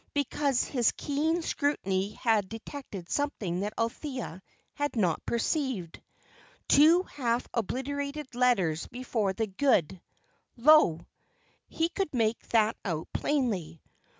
Because his keen scrutiny had detected something that Althea had not perceived two half obliterated letters before the "good": "lo" he could make that out plainly.